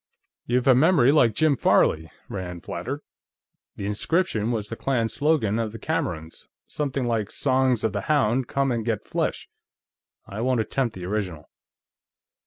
"You've a memory like Jim Farley," Rand flattered. "The inscription was the clan slogan of the Camerons; something like: Sons of the hound, come and get flesh! I won't attempt the original."